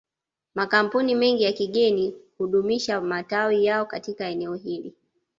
Makampuni mengi ya kigeni hudumisha matawi yao katika eneo hili